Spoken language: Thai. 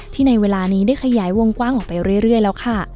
ในเวลานี้ได้ขยายวงกว้างออกไปเรื่อยแล้วค่ะ